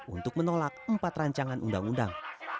untuk menolak empat rancangan undang undang